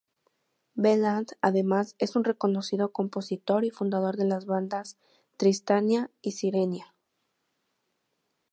Veland además, es un reconocido compositor y fundador de las bandas Tristania y Sirenia.